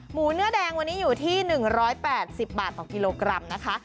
หมูเนื้อแดงวันนี้อยู่ที่๑๘๐บาทต่อกิโลกรัมนะคะ